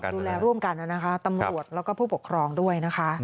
ดูแลร่วมกันนะคะตำรวจแล้วก็ผู้ปกครองด้วยนะคะ